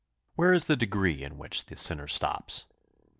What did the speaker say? Where is the degree in which the sinner stops?